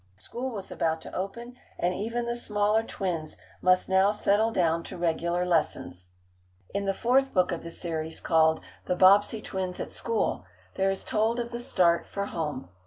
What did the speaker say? School was about to open, and even the smaller twins must now settle down to regular lessons. In the fourth book of the series, called "The Bobbsey Twins at School," there is told of the start for home.